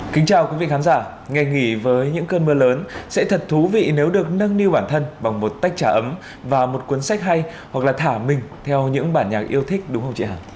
kính chào quý vị khán giả ngày nghỉ với những cơn mưa lớn sẽ thật thú vị nếu được nâng niu bản thân bằng một tách trà ấm và một cuốn sách hay hoặc là thả mình theo những bản nhạc yêu thích đúng không chị hà